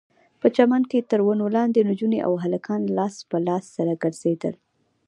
په چمن کښې تر ونو لاندې نجونې او هلکان لاس په لاس سره ګرځېدل.